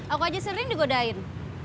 aku aja sering digodain